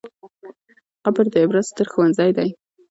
قبر د عبرت ستر ښوونځی دی.